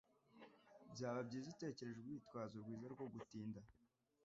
Byaba byiza utekereje urwitwazo rwiza rwo gutinda.